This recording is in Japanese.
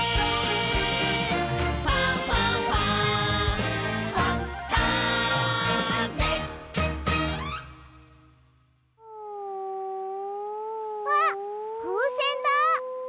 「ファンファンファン」あっふうせんだ！